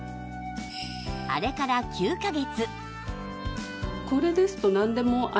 あれから９カ月